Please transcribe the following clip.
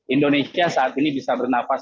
indonesia saat ini bisa bernafas